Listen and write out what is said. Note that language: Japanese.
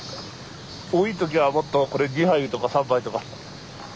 多い時はもっとこれ２杯とか３杯とか。